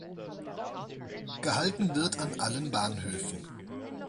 Gehalten wird an allen Bahnhöfen.